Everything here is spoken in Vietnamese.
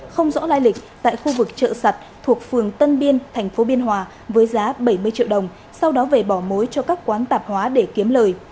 không rõ lai lịch tại khu vực chợ sặt thuộc phường tân biên tp biên hòa với giá bảy mươi triệu đồng sau đó về bỏ mối cho các quán tạp hóa để kiếm lời